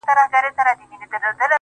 o دا ستا خبري مي د ژوند سرمايه.